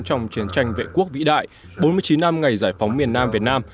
trong chiến tranh vệ quốc vĩ đại bốn mươi chín năm ngày giải phóng miền nam việt nam